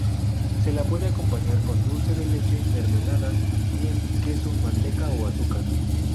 Se la puede acompañar con dulce de leche, mermeladas, miel, queso, manteca o azúcar.